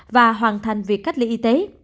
và hoàn thành việc cách ly y tế